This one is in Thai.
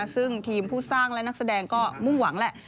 ซึ่งทีมผู้สร้างและนักแสดงก็มุ่งหวังแหละ